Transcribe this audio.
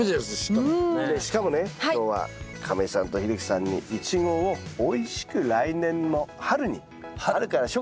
しかもね今日は亀井さんと秀樹さんにイチゴをおいしく来年の春に春から初夏ですね